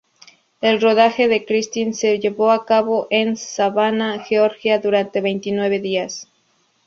El rodaje de "Christine" se llevó a cabo en Savannah, Georgia, durante veintinueve días.